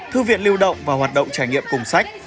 thư viện lưu động và hoạt động trải nghiệm cùng sách